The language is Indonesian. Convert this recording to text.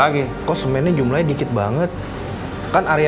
apek lu banyak dimari